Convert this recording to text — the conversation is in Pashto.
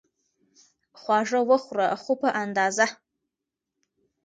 خواږه وخوره، خو په اندازه